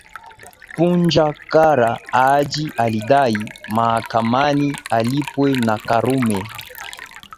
Punja Kara Haji alidai mahakamani alipwe na Karume